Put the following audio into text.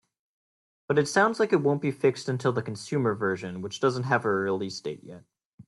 But it sounds like it won't be fixed until the consumer version, which doesn't have a release date yet.